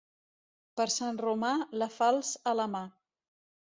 Per Sant Romà, la falç a la mà.